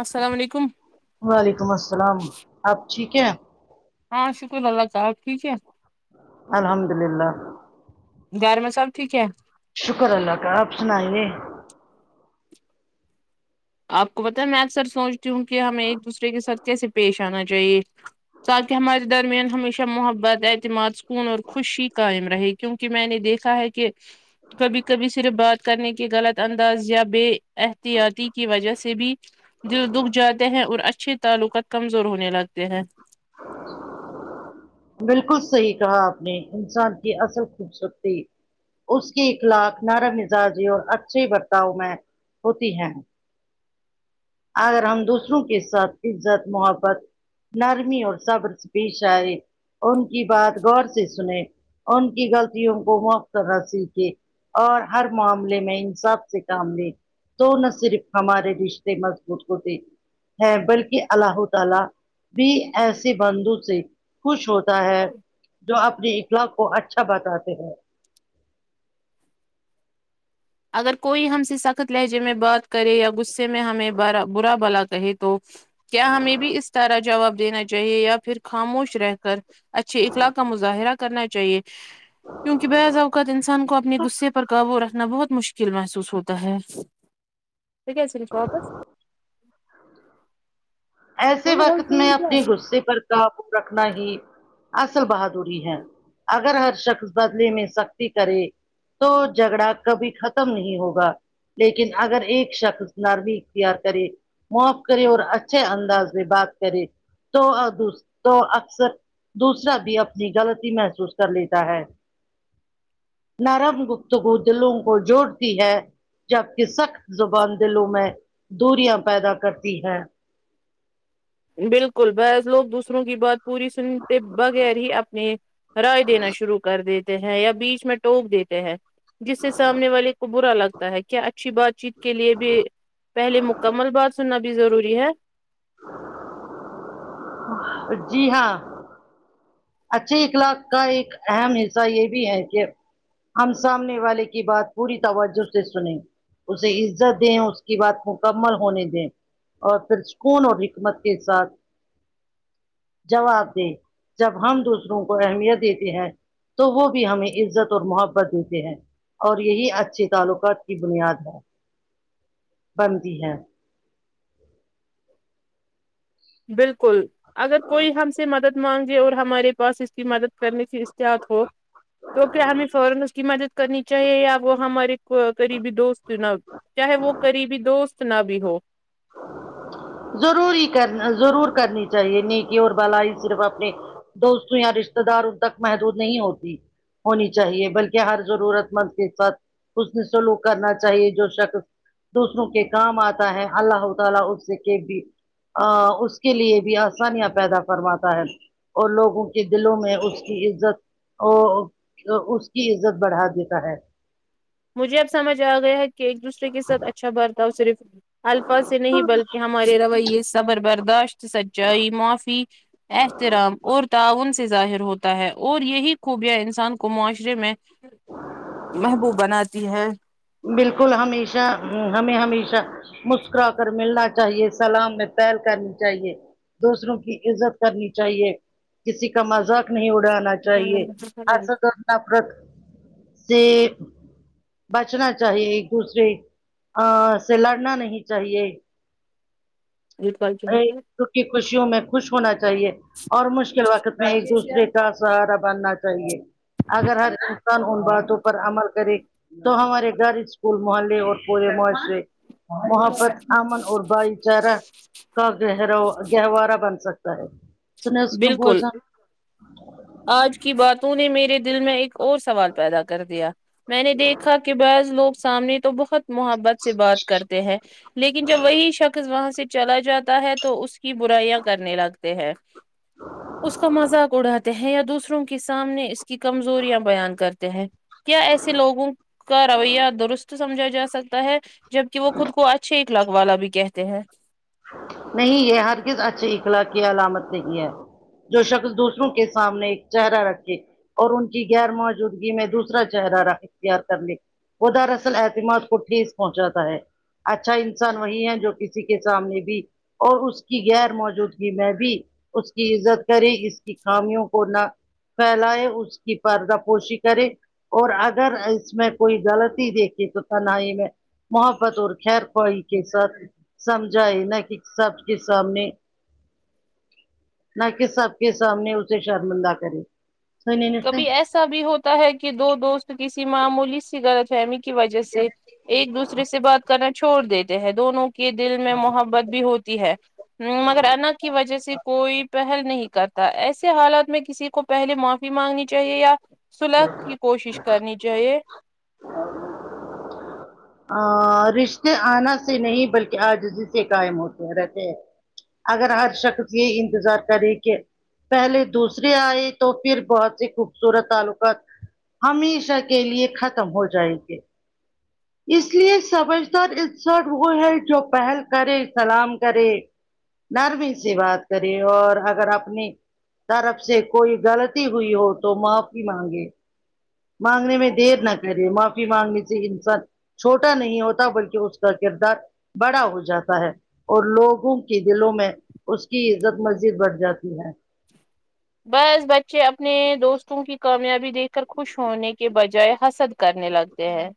السلام علیکم وعلیکم السلام آپ ٹھیک ہیں ہاں شکر اللہ صاحب آپ ٹھیک ہے الحمد للہ گھر میں سب ٹھیک ہے شکر اللہ کا آپ سنائیے آپ کو پتا ہے میں اکثر سوچتی ہوں کہ ہمیں ایک دوسرے کے ساتھ کیسے پیش آنا چاہیے تاکہ ہمارے درمیان ہمیشہ محبت اعتماد سکون اور خوشی قائم رہے گی کیونکہ میں نے دیکھا ہے کہ کبھی کبھی صرف بات کرنے کے غلط انداز یا بے احتیادی کی وجہ سے بھی دل دکھ جاتے ہیں اور اچھے تعلقات کمزور ہونے لگتے ہیں بالکل صحیح کہا آپ نے انسان کی اصل خوبصورتی اس کی اخلاق نرم مزاجی اور اچھے برتاؤ میں ہوتی ہے اگر ہم دوسروں کے ساتھ عزت محبت نرمی اور صبر پیش آئے ان کی بات غور سے سنے ان کی غلطیوں کو مخترح سیکھے اور ہر معاملے میں انصاف سے کام لے تو نہ صرف ہمارے رشتے مضبوط ہوتے ہیں بلکہ اللہ تعالی بھی ایسے بندو سے خوش ہوتا ہے جو اپنی اخلا کو اچھا بتاتے ہیں اگر کوئی ہم سے سخت لہجے میں بات کرے یا غصے میں ہمیں با برا بلا کہے تو کیا ہمیں بھی اس طارح جواب دینا چاہیے یا پھر خاموش رہ کر اچھے اخلاق کا مظاہرہ کرنا چاہیے کیونکہ بعض اوقات انسان کو اپنے غصے پر قابو رکھنا بہت مشکل محسوس ہوتا ہے کیسے واپس ایسے وقت میں اپنے غصے پر قابو رکھنا ہی اصل بہادری ہے اگر ہر شخص بدلے میں سختی کرے تو جھگڑا کبھی ختم نہیں ہوگا لیکن اگر ایک شخص نرمی اختیار کرے معاف کرے اور اچھے انداز میں بات کری تو تو اکثر دوسرا بھی اپنی غلطی محسوس کر لیتا ہے نرم گپتگو دلوں کو جوڑتی ہے جبکہ سخت زبان دلوں میں دوریاں پیدا کرتی ہیں بالکل ببعض لوگ دوسروں کی بات پوری سنتے بغیر ہی اپنے رائے دینا شروع کر دیتے ہیں یا بیچ میں ٹوپ دیتے ہیں جس سے سامنے والے کو برا لگتا ہے کیا اچھی بات چیت کے لیے بھی پہلے مکمل بات سننا بھی ضروری ہے جی ہاں اچھے اخلاق کا ایک اہم حصہ یہ بھی ہے کہ ہم سامنے والے کی بات پوری توجہ سے سنے اسے عزت دیں اس کی بات مکمل ہونے دیں اور پھر سکون اور حکمت کے ساتھ جواب دے جب ہم دوسروں کو اہمیت دیتے ہیں تو وہ بھی ہمیں عزت اور محبت دیتے ہیں اور یہی اچھے تعلقات کی بنیاد ہے بنتی ہے بالکل اگر کوئی ہم سے مدد مانگے اور ہمارے پاس اس کی مدد کرنے کی اتحط ہو تو کیا ہمیں فورا اس کی مدد کرنی چاہیے یا وہ ہمارے قریبی دوست نا چاہے وہ قریبی دوست نہ بھی ہو ضرور ہی کرنا ضرور کرنی چاہیے نیکی اور بل ہی صرف اپنے دوستوں یا رشتے دار ان تک محدود نہیں ہوتی ہونی چاہیے بلکہ ہر ضرورت مند کے ساتھ اس نے سلوک کرنا چاہیے جو شخص دوسروں کے کام آتا ہے اللہ تعالی اسے کہ بھی اس کے لیے بھی آسانیاں پیدا فرماتا ہے اور لوگوں کے دلوں میں اس کی عزت ا اس کی عزت بڑھا دیتا ہے مجھے اب سمجھ آ گیا ہے کہ ایک دوسرے کے ساتھ اچھا بارتاؤ صرف الفاظ سے نہیں بلکہ ہمارے رویے صبر برداشت سچائی معافی احترام اور تعاون سے ظاہر ہوتا ہے اور یہی خوبیاں انسان کو معاشرے میں محبوب بناتی ہے بالکل ہمیشہ ہ ہمیں ہمیشہ مسکرا کر ملنا چاہیے سلام میں پیر کرنی چاہیے دوسروں کی عزت کرنی چاہیے کسی کا مذاق نہیں اڑانا چاہیے ایسا کرنا پرت سے نا چاہیے ایک دوسرے سے لڑنا نہیں چاہیے ایک [unintelligible] کی خوشیوں میں خوش ہونا چاہیے اور مشکل وقت میں ایک دوسرے کا سہارا بننا چاہیے اگر ہر انسان ان باتوں پر عمل کرے تو ہمارگھر اسکول محلے اور پورے مشاعرے وہاں پر امن اور بھائی چارہ کا گرا گہوارا بن سکتا ہے بالکل آج کی باتوں نے میرے دل میں ایک اور سوال پیدا کر دیا میں نے دیکھا کہ بعض لوگ سامنے تو بہت محبت سے بات کرتے ہیں لیکن جب وہی شخص وہاں سے چلا جاتا ہے تو اس کی برائیاں کرنے لگتے ہیں اس کا مذاق اڑاتے ہیں یا دوسروں کے سامنے اس کی کمزوریاں بیان کرتے ہیں کیا ایسے لوگوں کا رویہ درست سمجھا جا سکتا ہے جبک وہ خود کو اچھے اخلاق والا بھی کہتے ہیں نہیں یہ ہر گز اچھے اخلاق کی علامت نہیں ہے جو شخص دوسروں کے سامنے ایک چہرہ رکھے اور ان کی غیر موجودگی میں دوسرا چہرہ ر اختیار کر لی وہ دراصل اعتماد کو ٹھیس پہنچاتا ہے اچھا انسان وہی ہے جو کسی کے سامنے بھی اور اس کی غیر موجودگی میں بھی اس کی عزت کرے اس کی خامیوں کو نہ پھیلائے اس کی پردا پوشی کرے اور اگر اس میں کوئی غلطی دیکھیے تو تنہائی میں محبت اور خیر خوائی کے ساتھ سمجھا ہے نا کہ سب کے سامنے نہ کہ سب کے سامنے اسے شرمندہ کرے سنے نے سے کبھی ایسا بھی ہوتا ہے کہ دو دوست کسی معمولی سے غلط فہمی کی وجہ سے ایک دوسرے سے بات کرنا چھوڑ دیتے ہیں دونوں کی دل میں محبت بھی ہوتی ہے مگر انا کی وجہ سے کوئی پہل نہیں کرتا ایسے حالات میں کسی کو پہلے معاف بھی مانگنی چاہیے یا سوله کی کوشش کرنی چاہیے ااا رشتے آنا سے نہیں بلکہ اجزی سے قائم ہوتے رہتے ہیں اگر ہر شخص یہ انتظار کرے کہ پہلے دوسرے آئے تو پھر بہت س خوبصورت تعلقات ہمیشہ کے لیے ختم ہو جائے گے اس لیے سمجھدار انسان وہ ہے جو پہل کرے سلام کرے نرمی سے بات کری اور اگر اپنی طرف سے کوئی غلطی ہوئی ہو تو معافی مانگے مانگنے میں دیر نہ کرے معافی مانگنے سے انسان چھوٹا نہیں ہوتا بلکہ اس کا کردار بڑا ہو جاتا ہے اور لوگوں کی دلوں میں اس کی عزت مزید بڑھ جاتی ہے بس بچے اپنے دوستوں کی کامیابی دیکھ کر خوش ہونے کے بجائے حسد کرنے لگتے ہیں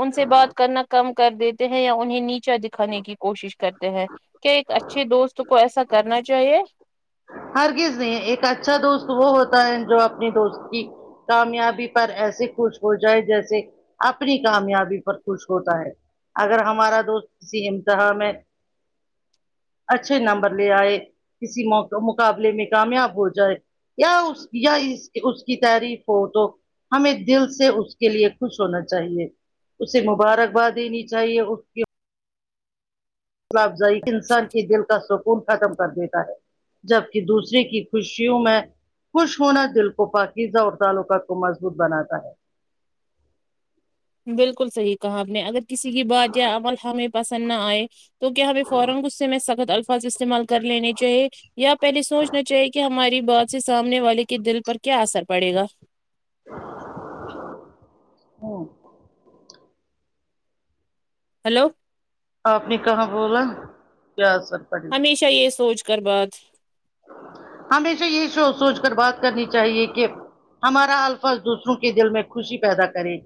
ان سے بات کرنا کم کر دی تے ہیں یا انہیں نیچا دکھانے کی کوشش کرتے ہیں کیا ایک اچھے دوست کو ایسا کرنا چاہیے ہرگز نہیں ایک اچھا دوست وہ ہوتا ہے جو اپنی دوست کی کامیابی پر ایسے خوش ہو جائے جیسے اپنی کامیابی پر خوش ہوتا ہے اگر ہمارا دوست کسی امتحاں میں اچھے نمبر لے آئے کسی موقع مقابلے میں کامیاب ہو جائے یا اس یا اس کی تعریف ہو تو ہمیں دل سے اس کے لیے خوش ہونا چاہیے اس سے مبارک باد دینی چاہیے اس ہوسلا افزائی انسان کے دل کا سکون ختم کر دیتا ہے جبکہ دوسرے کی خوشیوں میں خوش ہونا دل کو پاکیزہ اور تعلقات کو مضبوط بناتا ہے بالکل صحیح کہا آپ نے اگر کسی کی بات یا عمل ہمیں پسند نہ آئے تو کیا ہمیں فورا غصہ میں سخت الفاظ استعمال کر لینے چاہے یا پہلے سوچنا چاہیے کہ ہماری بات سے سامنے والے کے دل پر کیا اثر پڑے گا ہوں ہیلو آپ نے کہاں بولا کیا اسر ہمیشہ یہ سوچ کر بات ہمیشہ یہ سوچ سوچ کر بات کرنی چاہیے کہ ہمارا الفظ دوسروں کے دل میں خوشی پیدا کرے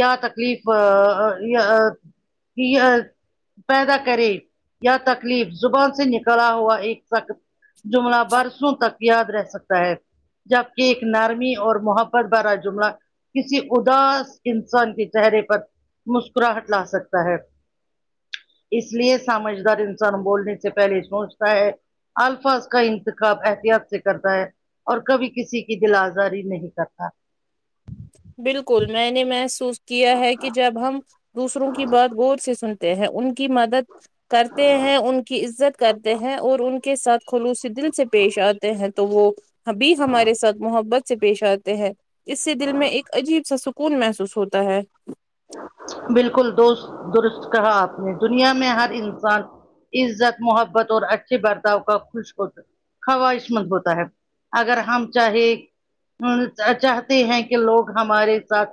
یا تکلیف آ ا پیدا کرے یا تکلیف زبان سے نکلا ہوا ایک سخت جملہ برسوں تک یاد رہ سکتا ہے جبکہ ایک نرمی اور محبت بھرا جملہ کسی اداس انسان کے چہرے پر مسکراہٹ لا سکتا ہے اس لیے سمجھدار انسان بولنے سے پہلے سوچتا ہے الفاظ کا ان تخاب احتیاط سے کرتا ہے اور کبھی کسی کی دل آزاری نہیں کرتا بالکل میں نے محسوس کیا ہے کہ جب ہم دوسروں کی بات غور سے سنتے ہیں ان کی مدد کرتے ہیں ان کی عزت کرتے ہیں اور ان کے ساتھ خلوصی دل سے پیش آتے ہیں تو وہ ابھی ہمارے ساتھ محبت سے پیش آتے ہیں اس سے دل میں ایک عجیب سا سکون محسوس ہوتا ہے بالکل دوست درست کہا آپ نے دنیا میں ہر انسان عزت محبت اور اچھے برتاؤ کا خوش ہو خواہش مند ہوتا ہے اگر ہم چاہے چاہتے ہیں کہ لوگ ہمارے ساتھ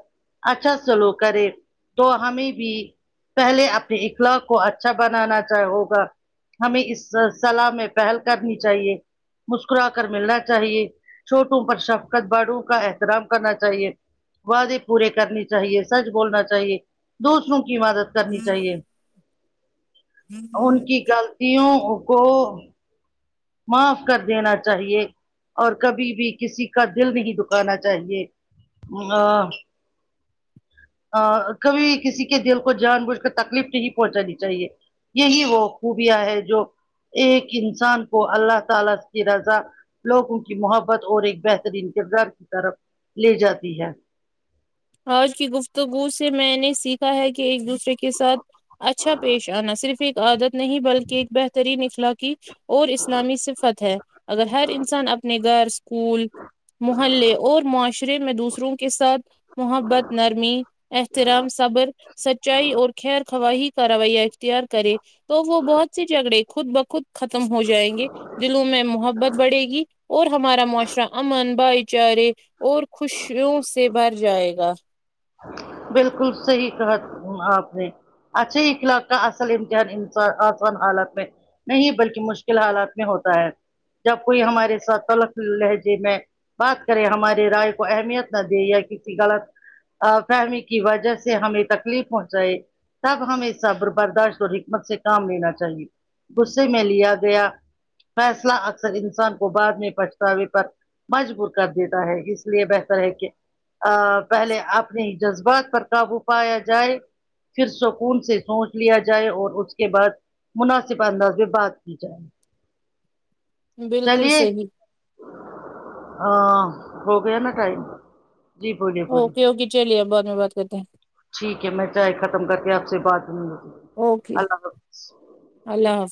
اچھا سلوک کرے تو ہمیں بھی پہلے اپنی اخلاق کو اچھا بنانا چاہ ہوگا ہمیں اس صلاح میں پہل کرنی چاہیے مسکرا کر ملنا چاہیے چھوٹوں پر شفقت باڑوں کا احترام کرنا چاہیے وعدے پورے کرنے چاہیے سچ بولنا چاہیے دوسروں کی مدد کرنی چاہیے ان کی غلطیوں کو معاف کر دینا چاہیے اور کبھی بھی کسی کا دل نہیں دکھانا چاہیے [unintelligible] آ کبھی کسی کے دل کو جان بوجھ کر تکلیف نہیں پہنچانی چاہیے یہی وہ خوبیاں ہے جو ایک انسان کو اللہ تعالی کی رضا لوگوں کی محبت اور ایک بہترین کردار کی طرف لے جاتی ہے آج کی گفتگو سے میں نے سیکھا ہے کہ ایک دوسرے کے ساتھ اچھا پیش آنا صرف ایک عادت نہیں بلکہ ایک بہترین اخلاقی اور اسلامی صفت ہے اگر ہر انسان اپنے گھر اسکول محلے اور معاشرے میں دوسروں کے ساتھ محبت نرمی احترام صبر سچائی اور خیر خواہی ک رویا اختیار کرے تو وہ بہت سے جھگڑے خود بخود ختم ہو جائیں گے دلوں میں محبت بڑھے گی اور ہمارا معاشرہ امن بئی چارے اور خوشوں سے بھر جائے گا بالکل صحی کہا آپ نے اچھا اخلاق کا اصل امتحان اسان آسان حالت میں نہیں بلکہ مشکل حالات میں ہوتا ہے جب کوئی ہمارے ساتھ تلخ لہجے میں بات کریں ہماری رائے کو اہمیت نہ دے یا کسی غلط فہمی کی وجہ سے ہمیں تکلیف پہنچائے تب ہمیں صبر برداشت اور حکمت سے کام لینا چاہیے غصے میں لیا گیا فیصلہ اکثر انسان کو بعد میں پچھتاوے پر مجبور کر دیتا ہے اس لیے بہتر ہے کہ پہلے آپ جذبات پر قابو پایا جائے پھر سکون سے سوچ لیا جائے اور اس کے بعد مناسب انداز سے بات کی جائے بالکل چلیے صحیح اں ہو گیا نا ٹائم جی بولیے بولیے اوکے اوکے چلیے ا بعد میں بات کرتے ہیں ٹھیک ہے میں چائے ختم کر کے آپ سے بات اوکے اللہ حافظ اللہ حافظ